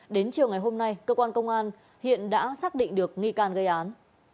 đến chiều ngày hôm nay cơ quan công an hiện đã xác định được nghi can gây án